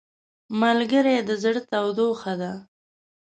ملګری د زړه تودوخه ده